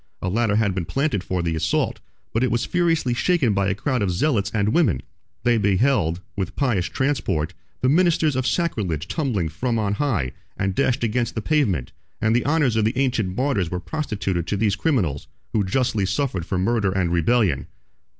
A ladder had been planted for the assault, but it was furiously shaken by a crowd of zealots and women: they beheld, with pious transport, the ministers of sacrilege tumbling from on high and dashed against the pavement: and the honors of the ancient martyrs were prostituted to these criminals, who justly suffered for murder and rebellion.